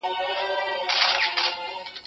خپل وطن ته خدمت وکړو.